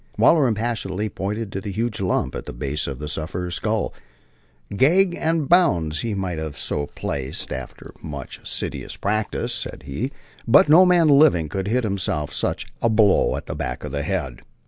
Waller impassively pointed to the huge lump at the base of the sufferer's skull, "Gag and bonds he might have so placed, after much assiduous practice," said he, "but no man living could hit himself such a blow at the back of the head."